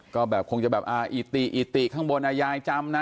ก็แบบคงจะแบบอิติอิติข้างบนยายจำนะ